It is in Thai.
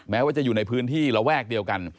แม้ว่าจะอยู่ในพื้นที่ระแวกเดียวกัน